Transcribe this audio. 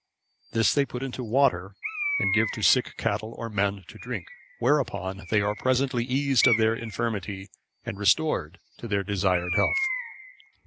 This they put into water and give to sick cattle or men to drink, whereupon they are presently eased of their infirmity, and restored to their desired health.